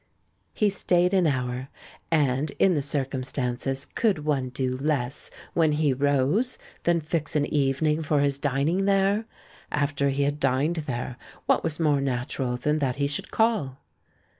" He stayed an hour ; and, in the circumstances, could one do less, when he rose, than fix an eve ning for his dining there? After he had dined there, what was more natural than that he should call?